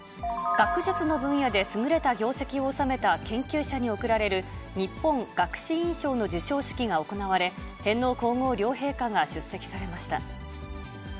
学術の分野で優れた業績をおさめた研究者に贈られる日本学士院賞の授賞式が行われ、天皇皇后両陛下が出席されました。